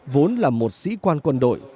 vốn là một sĩ quan quân đội